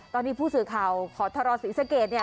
ตอนนี้ผู้สื่อข่าวขอทรศรีสะเกดเนี่ย